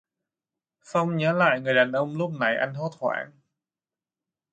Phong nhớ lại người đàn ông lúc nãy anh hốt hoảng